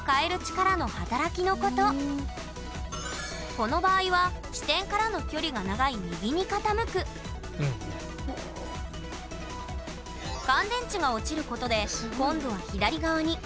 この場合は支点からの距離が長い右に傾く乾電池が落ちることで今度は左側に。